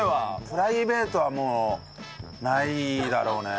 プライベートはもうないだろうね。